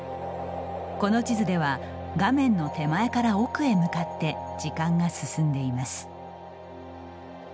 この地図では、画面の手前から奥へ向かって時間が進んでいます。